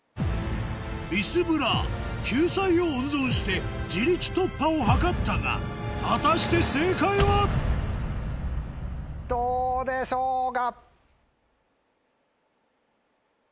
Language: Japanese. ビスブラ救済を温存して自力突破を図ったが果たして正解は⁉どうでしょうか！